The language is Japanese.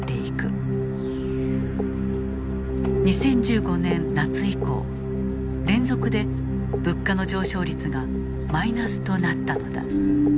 ２０１５年夏以降連続で物価の上昇率がマイナスとなったのだ。